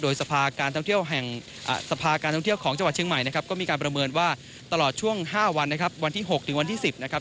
สภาการท่องเที่ยวแห่งสภาการท่องเที่ยวของจังหวัดเชียงใหม่นะครับก็มีการประเมินว่าตลอดช่วง๕วันนะครับวันที่๖ถึงวันที่๑๐นะครับ